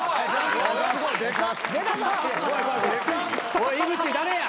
おい井口誰や？